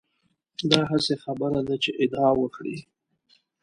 دا هسې خبره ده چې ادعا وکړي.